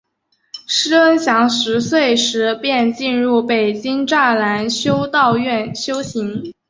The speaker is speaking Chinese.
师恩祥十岁时便进入北京栅栏修道院修行。